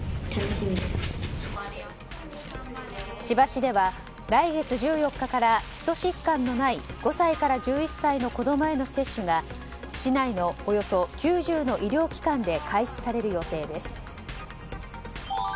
千葉市では来月１４日から基礎疾患のない５歳から１１歳の子供への接種が市内のおよそ９０の医療機関で開始される予定です。